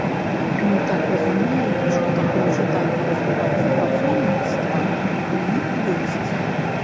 Мы так разумеем, што такое жаданне развіваць супрацоўніцтва ў іх ёсць.